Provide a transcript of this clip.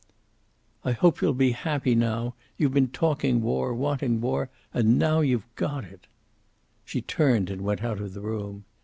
"I hope you'll be happy, now. You've been talking war, wanting war and now you've got it." She turned and went out of the room.